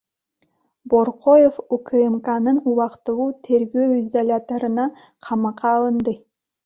Боркоев УКМКнын убактылуу тергөө изоляторуна камакка алынды.